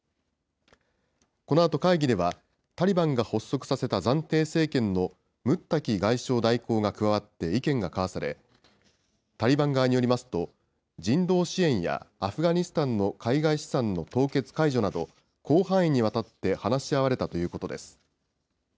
このあと会議では、タリバンが発足させた暫定政権のムッタキ外相代行が加わって意見が交わされ、タリバン側によりますと、人道支援やアフガニスタンの海外資産の凍結解除など、広範囲にわたって話し合われたということです。